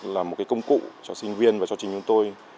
là một cái công cụ cho sinh viên và cho chính chúng tôi